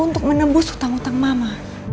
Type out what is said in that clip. untuk menembus hutang hutang mama